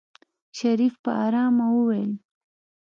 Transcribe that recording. شريف په آرامه وويل.